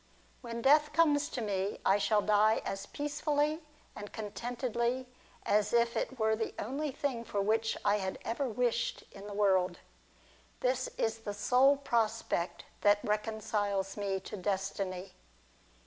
When death comes to me, I shall die as peacefully and contentedly as if it were the only thing for which I had ever wished in the world. This is the sole prospect that reconciles me to Destiny.